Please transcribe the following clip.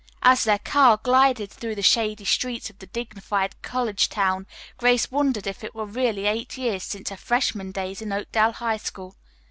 As their car glided through the shady streets of the dignified college town Grace wondered if it were really eight years since her freshman days in Oakdale High School.